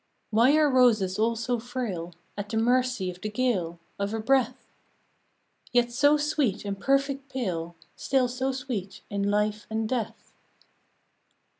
" Why are roses all so frail, At the mercy of the gale, Of a breath ? Yet so sweet and perfect pale, Still so sweet in life and death."